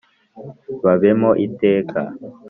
babemo iteka